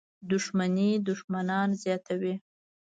• دښمني دښمنان زیاتوي.